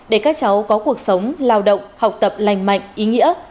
để các cháu có cuộc sống lao động học tập lành mạnh ý nghĩa